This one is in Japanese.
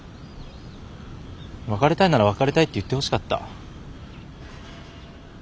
別れたいなら別れたいって言ってほしかった。